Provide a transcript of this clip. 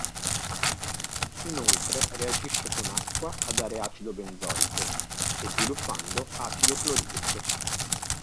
Inoltre reagisce con acqua a dare acido benzoico e sviluppando acido cloridrico.